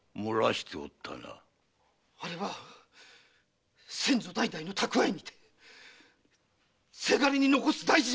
あれは先祖代々の蓄えにてせがれに残す大事な！